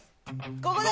ここだ。